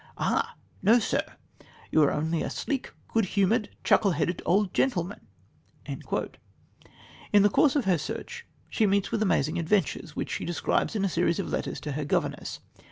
Ah! no, sir, you are only a sleek, good humoured, chuckle headed, old gentleman." In the course of her search she meets with amazing adventures, which she describes in a series of letters to her governess.